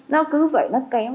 nó cứ vậy nó kéo